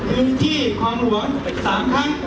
อยู่ในพื้นที่ความห่วง๓ครั้ง